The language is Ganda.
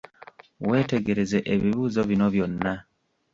Weetegereze ebibuuzo bino byonna.